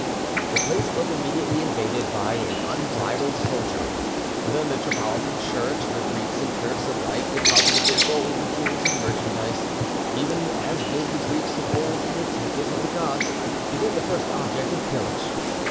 The place was immediately invaded by an unbridled soldiery. The Metropolitan church, where Greeks and Turks alike deposited their gold, jewels, and merchandise, even as did the Greeks of old in the temples of the gods, became the first object of pillage.